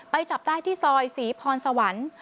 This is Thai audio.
จับได้ที่ซอยศรีพรสวรรค์